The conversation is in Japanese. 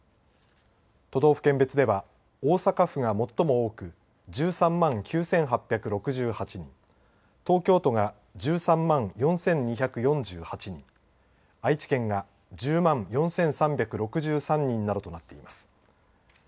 都道府県別では大阪府が最も多く１３万９８６８人東京都が１３万４２４８人愛知県が１０万４３６３人などとなっています。